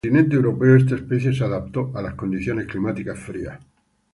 En el continente europeo esta especie se adaptó a las condiciones climáticas frías.